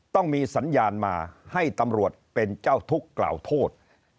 ต้องมีสัญญาณมาให้ตำรวจเป็นเจ้าทุกข์กล่าวโทษ